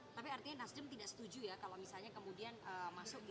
tapi artinya nasdem tidak setuju ya kalau misalnya kemudian masuk